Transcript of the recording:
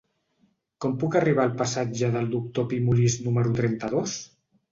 Com puc arribar al passatge del Doctor Pi i Molist número trenta-dos?